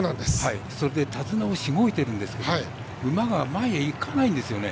それで手綱をしごいているんですけど馬が前へいかないんですよね。